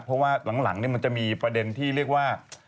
เพราะว่าหลังมันจะมีประเด็นที่เรียกว่า